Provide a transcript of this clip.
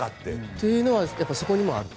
というのはやはりそこにもあると。